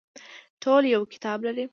ټول یو کتاب لري